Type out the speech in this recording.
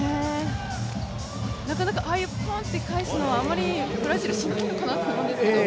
なかなかああいうポーンと返すのはブラジルしないのかなと思うんですけど。